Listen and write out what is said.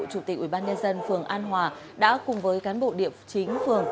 chủ tịch ubnd phường an hòa đã cùng với cán bộ điệp chính phường